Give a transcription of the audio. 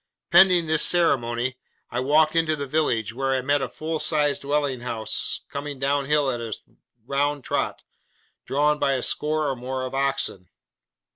Pending this ceremony, I walked into the village, where I met a full sized dwelling house coming down hill at a round trot, drawn by a score or more of oxen.